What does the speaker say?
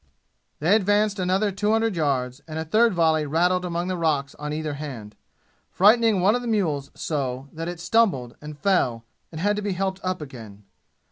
They advanced another two hundred yards and a third volley rattled among the rocks on either hand, frightening one of the mules so that it stumbled and fell and had to be helped up again.